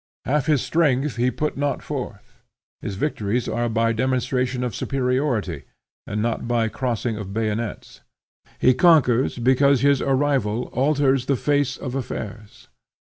"Half his strength he put not forth." His victories are by demonstration of superiority, and not by crossing of bayonets. He conquers because his arrival alters the face of affairs.